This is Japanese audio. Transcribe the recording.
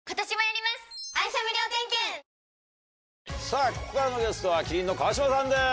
さぁここからのゲストは麒麟の川島さんです！